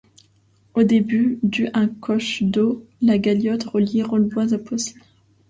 Au début du un coche d'eau, la Galiote, reliait Rolleboise à Poissy.